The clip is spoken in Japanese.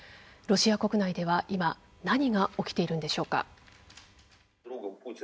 ロシア国内では今、何が起きているのでしょうか。